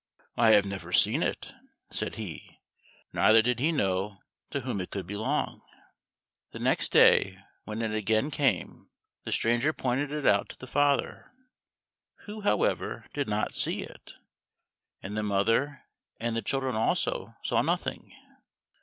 "I have never seen it," said he, neither did he know to whom it could belong. The next day when it again came, the stranger pointed it out to the father, who however did not see it, and the mother and the children also all saw nothing.